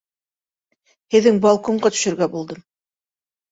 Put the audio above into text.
Һеҙҙең балконға төшөргә булдым.